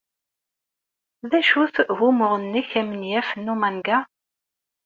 D acu-t wunuɣ-nnek amenyaf n umanga?